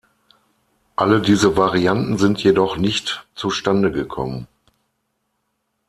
Alle diese Varianten sind jedoch nicht zustande gekommen.